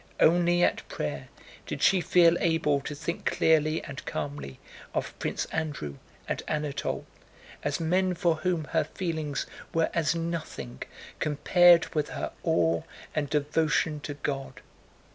Only at prayer did she feel able to think clearly and calmly of Prince Andrew and Anatole, as men for whom her feelings were as nothing compared with her awe and devotion to God.